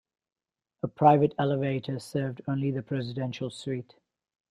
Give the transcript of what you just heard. A private elevator served only the Presidential Suite.